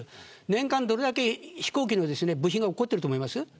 年間どれだけ飛行機の部品が落ちていると思いますか。